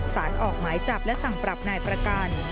สารออกหมายจับและสั่งปรับนายประกัน